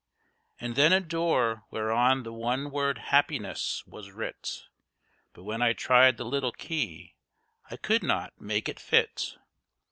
And then a door whereon the one word "Happiness" was writ; But when I tried the little key I could not make it fit.